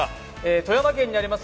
富山県にあります